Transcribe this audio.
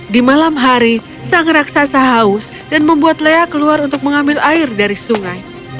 di malam hari sang raksasa haus dan membuat leah keluar untuk mengambil air dari sungai